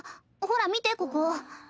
ほら見てここ。